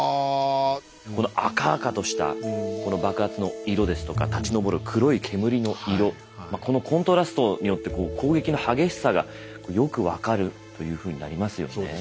この赤々としたこの爆発の色ですとか立ち上る黒い煙の色このコントラストによって攻撃の激しさがよく分かるというふうになりますよね。